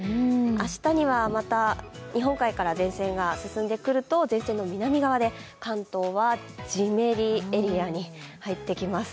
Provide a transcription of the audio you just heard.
明日にはまた日本海から前線が進んでくると前線の南側で関東はジメリエリアに入ってきます。